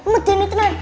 mending nih tenan